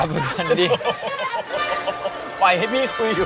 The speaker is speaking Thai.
เฮ้ยไปให้พี่คุยอยู่